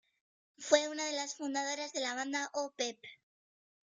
Fue una de las fundadoras de la banda Oh Pep!